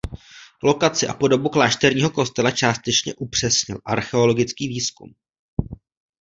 Lokaci a podobu klášterního kostela částečně upřesnil archeologický výzkum.